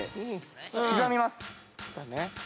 刻みます。